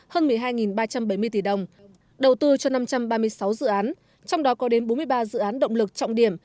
hơn một mươi hai ba trăm bảy mươi tỷ đồng đầu tư cho năm trăm ba mươi sáu dự án trong đó có đến bốn mươi ba dự án động lực trọng điểm